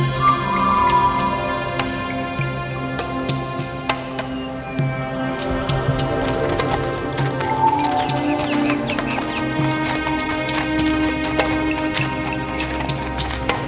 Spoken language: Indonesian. gorgon yang panggil dia